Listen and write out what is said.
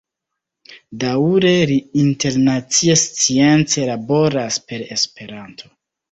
Daŭre li internacie science laboras per Esperanto.